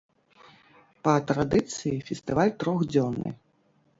Па традыцыі фестываль трохдзённы.